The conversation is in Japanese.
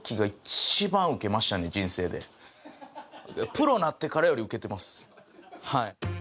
プロになってからよりウケてます。